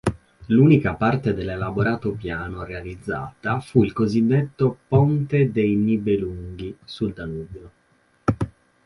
L'unica parte dell'elaborato piano realizzata fu il cosiddetto "Ponte dei Nibelunghi" sul Danubio.